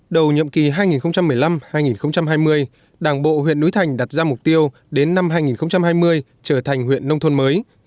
đầu nhiệm kỳ hai nghìn một mươi năm hai nghìn hai mươi đảng bộ huyện núi thành đặt ra mục tiêu đến năm hai nghìn hai mươi trở thành huyện nông thôn mới